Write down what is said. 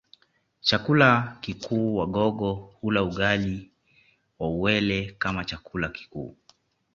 Chakula kikuu Wagogo hula ugali wa uwele kama chakula kikuu